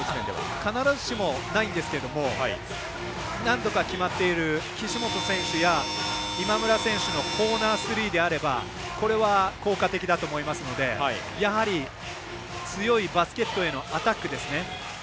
必ずしもないんですけれど何度か決まっている岸本選手や今村選手のコーナースリーであればこれは、効果的だと思いますのでやはり、強いバスケットへのアタックですね。